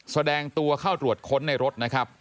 แสดงตัวเข้าตรวจค้นในรถนะครับ